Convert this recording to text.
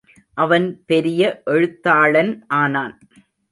அவன் பெரிய எழுத்தாளன் ஆனான்.